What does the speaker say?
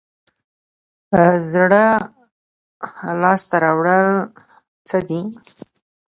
زړه لاس ته راوړل څه دي؟